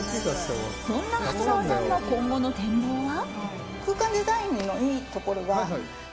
そんな長谷川さんの今後の展望は？